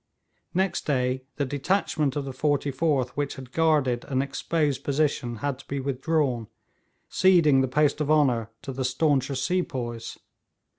Next day the detachment of the 44th which had guarded an exposed position had to be withdrawn, ceding the post of honour to the stauncher sepoys.